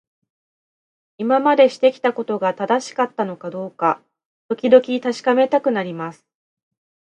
今までしてきたことが正しかったのかどうか、時々確かめたくなります。